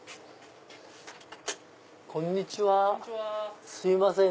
こんにちはすいません